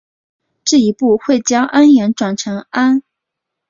这一步会将铵盐转化成氨。